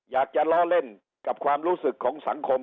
อยากจะล้อเล่นกับความรู้สึกของสังคม